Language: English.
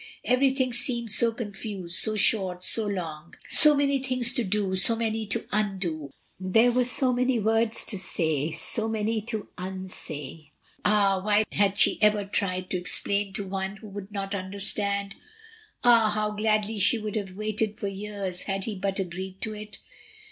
Everything seemed so con fused, so short, so long; so many things to do, so many to undo; there were so many words to say, so many to unsay. Ah! why had she ever tried to ex plain to one who would not understand? Ah! how gladly she would have waited for years had he but agreed to it.